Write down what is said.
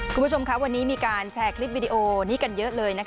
คุณผู้ชมครับวันนี้มีการแชร์คลิปวิดีโอนี้กันเยอะเลย